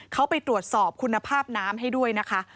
เขาไปตรวจสอบคุณภาพน้ำให้ด้วยนะคะ